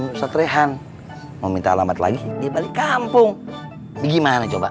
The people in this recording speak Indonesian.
ya udah ya ustadz rehan mau minta alamat lagi dia balik kampung gimana coba